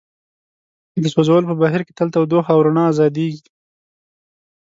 د سوځولو په بهیر کې تل تودوخه او رڼا ازادیږي.